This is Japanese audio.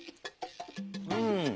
うん。